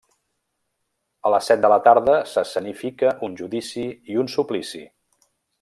A les set de la tarda s'escenifica un judici i un suplici.